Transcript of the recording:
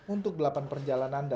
untuk delapan perjalanan